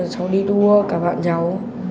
cháu đi đua cả bạn nhau